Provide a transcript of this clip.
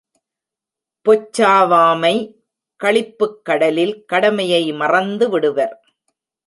பொச்சாவாமை களிப்புக்கடலில் கடமையை மறந்துவிடுவர்.